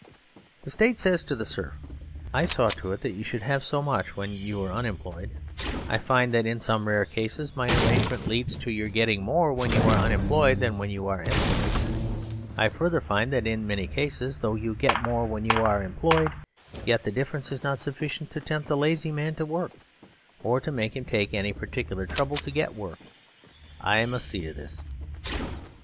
The State says to the Serf: "I saw to it that you should have so much when you were unemployed. I find that in some rare cases my arrangement leads to your getting more when you are unemployed than when you are employed. I further find that in many cases, though you get more when you are employed, yetthe difference is not sufficient to tempt a lazy man to work, or to make him take any particular trouble to get work. I must see to this."